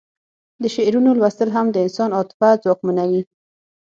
د شعرونو لوستل هم د انسان عاطفه ځواکمنوي